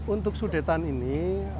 untuk sudetan ini